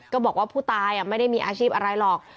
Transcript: ก็บอกว่าผู้ตายไม่ได้มีอาชีพอะไรหรอก